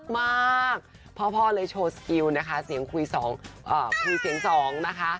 ไม่มีเกี่ยวไว้เสียงสองของพวก